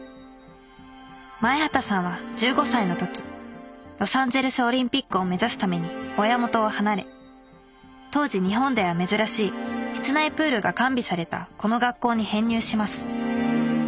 前畑さんは１５歳の時ロサンゼルスオリンピックを目指すために親元を離れ当時日本では珍しい室内プールが完備されたこの学校に編入します。